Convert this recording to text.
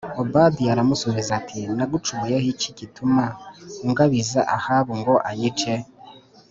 Obadiya aramusubiza ati “Nagucumuyeho iki gituma ungabiza Ahabu ngo anyice?